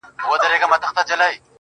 د تکراري حُسن چيرمني هر ساعت نوې یې,